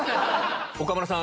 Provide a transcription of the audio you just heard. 岡村さん